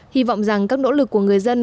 hy vọng rằng các nỗ lực của người dân